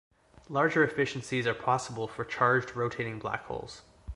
Larger efficiencies are possible for charged rotating black holes.